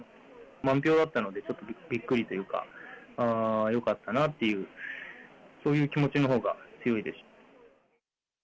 満票だったので、ちょっとびっくりというか、よかったなっていう、そういう気持ちのほうが強いです。